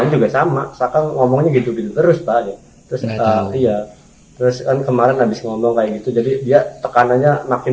ngomongnya gitu terus pak terus kemarin habis ngomong kayak gitu jadi dia tekanannya makin